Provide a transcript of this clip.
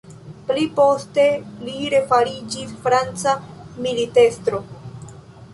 Pliposte, li refariĝis franca militestro.